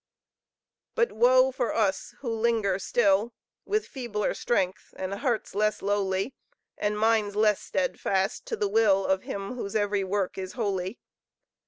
But, wo for us I who linger still With feebler strength and hearts less lowly, And minds less steadfast to the will Of Him, whose every work is holy!